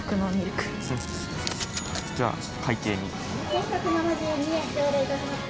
１，１７２円頂戴いたします。